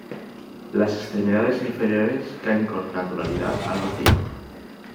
Las extremidades inferiores caen con naturalidad al vacío.